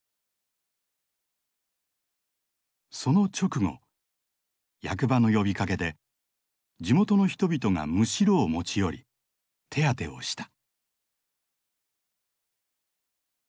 その直後役場の呼びかけで地元の人々がムシロを持ち寄り手当てをした。